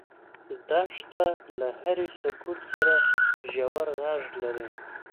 دښته له هرې سکوت سره ژور غږ لري.